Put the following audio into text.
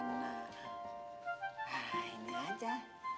nah ini aja